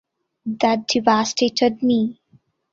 That devastated me.